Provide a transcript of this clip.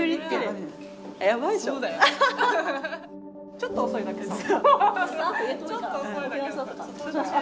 ちょっと遅いだけかも。